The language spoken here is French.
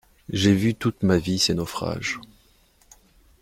J'ai vu toute ma vie ses naufrages.